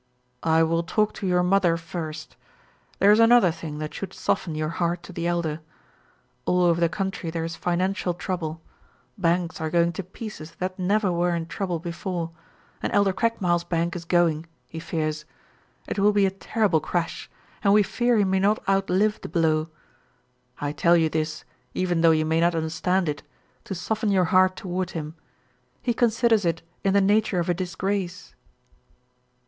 "I will talk to your mother first. There is another thing that should soften your heart to the Elder. All over the country there is financial trouble. Banks are going to pieces that never were in trouble before, and Elder Craigmile's bank is going, he fears. It will be a terrible crash, and we fear he may not outlive the blow. I tell you this, even though you may not understand it, to soften your heart toward him. He considers it in the nature of a disgrace."